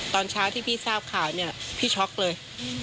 ตอนเช้าที่พี่ทราบข่าวเนี่ยพี่ช็อกเลย